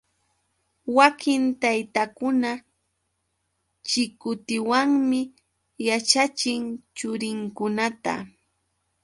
Wakin taytakuna chikutiwanmi yaćhachin churinkunata.